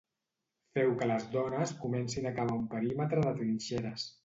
Feu que les dones comencin a cavar un perímetre de trinxeres.